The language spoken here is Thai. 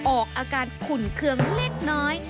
ออกอาการขุ่นเครื่องเล็กน้อย